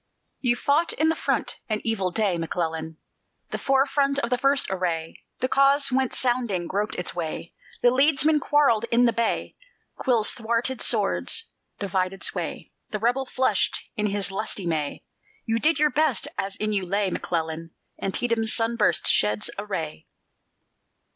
You fought in the front (an evil day, McClellan) The forefront of the first assay; The Cause went sounding, groped its way; The leadsmen quarrelled in the bay; Quills thwarted swords; divided sway; The rebel flushed in his lusty May; You did your best, as in you lay, McClellan. Antietam's sun burst sheds a ray.